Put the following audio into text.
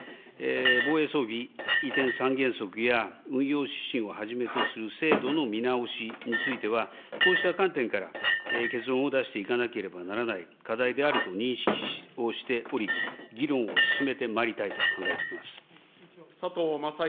防衛装備移転三原則や運用指針をはじめとする制度の見直しについては、こうした観点から、結論を出していかなければならない課題と認識しており、議論を進めてまいりたいと考えております。